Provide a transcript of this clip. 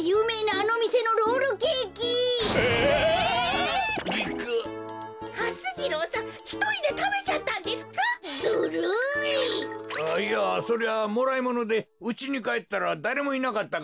あっいやそれはもらいものでうちにかえったらだれもいなかったからつい。